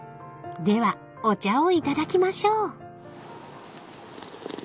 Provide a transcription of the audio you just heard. ［ではお茶を頂きましょう］